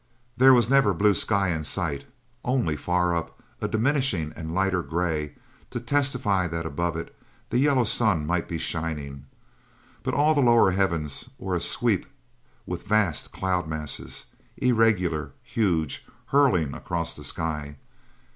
There was never blue sky in sight only, far up, a diminishing and lighter grey to testify that above it the yellow sun might be shining; but all the lower heavens were a sweep with vast cloud masses, irregular, huge, hurling across the sky.